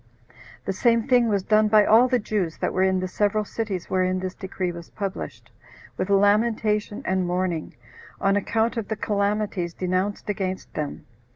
The same thing was done by all the Jews that were in the several cities wherein this decree was published, with lamentation and mourning, on account of the calamities denounced against them.